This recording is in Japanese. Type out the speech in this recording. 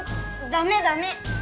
ダメダメ！